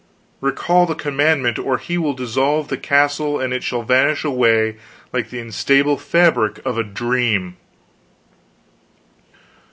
Recall the commandment, or he will dissolve the castle and it shall vanish away like the instable fabric of a dream!"